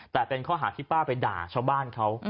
แต่เป็นข้อหาที่ป้าไปด่าชาวบ้านเขา